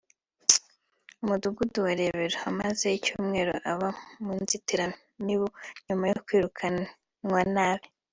umudugudu wa Rebero amaze icyumweru aba mu nzitiramibu nyuma yo kwirukanwa n’abe